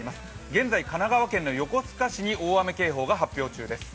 現在、神奈川県の横須賀市に大雨警報が発表中です。